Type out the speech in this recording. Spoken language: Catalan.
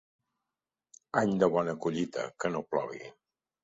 Any de bona collita, que no plogui.